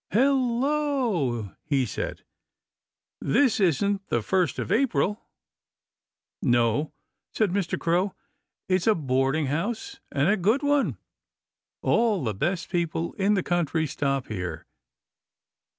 "Hello!" he said. "This isn't the first of April." "No," said Mr. Crow, "it's a boarding house, and a good one. All the best people in the country stop here.